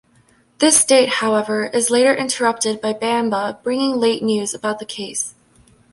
This date, however, is later interrupted by Banba bringing late news about the case.